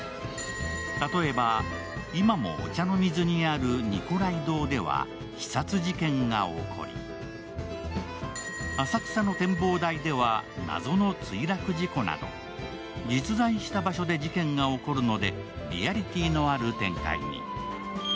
例えば、今も御茶の水にあるニコライ堂では刺殺事件が起こり、浅草の展望台では、謎の墜落事故など実在した場所で事件が起こるのでリアリティのある展開に。